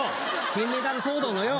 金メダル騒動のよ。